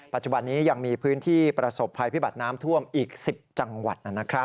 ปัจจุบันนี้ยังมีพื้นที่ประสบภัยพิบัติน้ำท่วมอีก๑๐จังหวัด